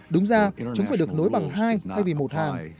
đúng ra chúng phải được nối bằng hai thay vì một hàng